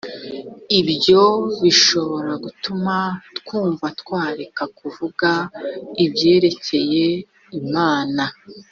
ibyo bishobora gutuma twumva twareka kuvuga ibyerekeye imana